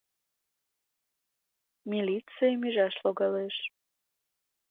Милицийым ӱжаш логалеш.